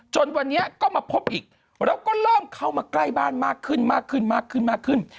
จนวันนี้ก็มาพบอีกแล้วก็เริ่มเข้ามาใกล้บ้านมากขึ้นมากขึ้นมากขึ้นมากขึ้นมากขึ้น